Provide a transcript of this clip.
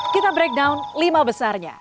kita breakdown lima besarnya